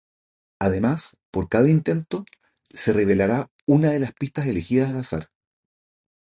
Además, por cada intento, se revelará una de las pistas elegidas al azar.